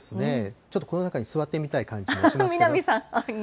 ちょっとこの中に座ってみたい感じもしますけど。